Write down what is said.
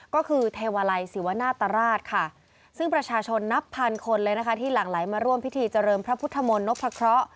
ก็คือเทวาลัยศิวนาตราชค่ะซึ่งประชาชนนับพันคนเลยนะคะที่หลั่งไหลมาร่วมพิธีเจริญพระพุทธมนต์นพะเคราะห์